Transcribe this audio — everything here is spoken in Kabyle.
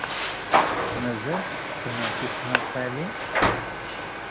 Mazal tetteqqnem tismaqqalin?